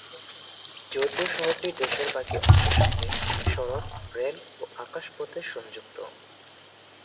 জয়পুর শহরটি দেশের বাকি অংশের সঙ্গে সড়ক, রেল ও আকাশ পথে সংযুক্ত।